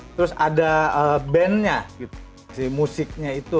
terus ada bandnya si musiknya itu